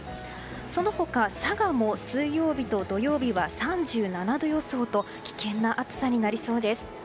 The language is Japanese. その他、佐賀も水曜日と土曜日は３７度予想と危険な暑さになりそうです。